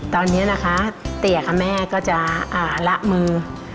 ตอนนี้นะคะเตี๋ยกับแม่ก็จะละมือ